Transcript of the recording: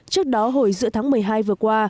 trước đó hồi giữa tháng một mươi hai vừa qua